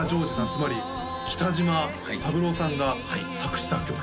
つまり北島三郎さんが作詞作曲